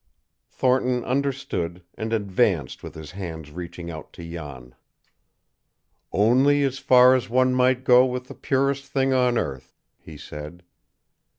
Thornton understood and advanced with his hands reaching out to Jan. "Only as far as one might go with the purest thing on earth," he said.